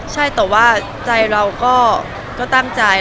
ใช่แต่ว่าใจเราก็ตั้งใจ